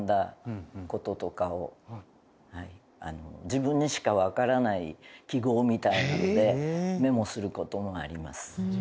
自分にしかわからない記号みたいなのでメモする事もあります。